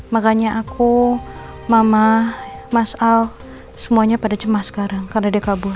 makanya aku mama mas al semuanya pada cemas sekarang karena dia kabur